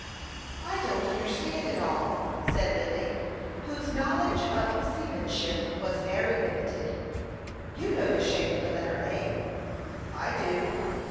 "I don't understand it at all," said Lily, whose knowledge of seamanship was very limited. "You know the shape of the letter A?" "I do."